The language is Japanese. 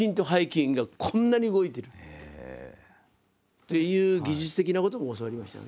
っていう技術的なことも教わりましたね。